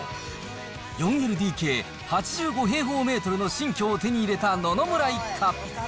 ４ＬＤＫ８５平方メートルの新居を手に入れた野々村一家。